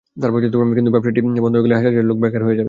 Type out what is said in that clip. কিন্তু ব্যবসাটিই বন্ধ হয়ে গেলে হাজার হাজার লোক বেকার হয়ে যাবে।